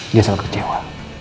dia selalu kecewa